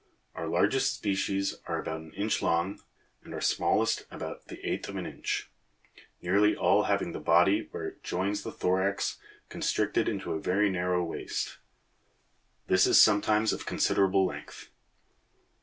Our largest species are about an inch long and our smallest about the eighth of an inch, nearly all having the body where it joins the thorax constricted into a very narrow waist; this is sometimes of considerable length.